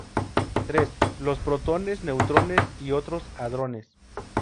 Tres, los protones, neutrones y otros hadrones.